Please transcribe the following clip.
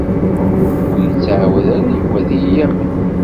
Ur ittɛawed ara Yuba ad yi-yamen.